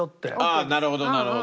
ああなるほどなるほど。